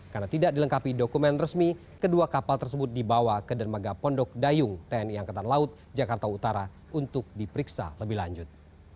karena tidak dilengkapi dokumen resmi kedua kapal tersebut dibawa ke denmaga pondok dayung tni angkatan laut jakarta utara untuk diperiksa lebih lanjut